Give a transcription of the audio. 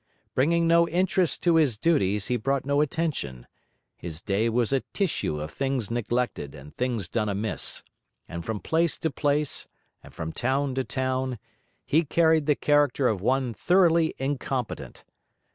Bringing no interest to his duties, he brought no attention; his day was a tissue of things neglected and things done amiss; and from place to place and from town to town, he carried the character of one thoroughly incompetent.